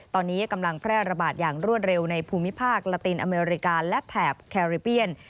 ตอนนี้กำลังแพร่ระบาดอย่างรวดเร็วในภูมิภาคลาตินอเมริกาและแถบแคริเปียน